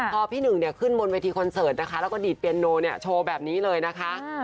พอพี่หนึ่งเนี่ยขึ้นบนเวทีคอนเสิร์ตนะคะแล้วก็ดีดเปียนโนเนี่ยโชว์แบบนี้เลยนะคะ